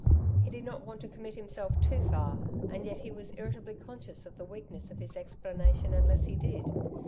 He did not want to commit himself too far, and yet he was irritably conscious of the weakness of his explanation unless he did.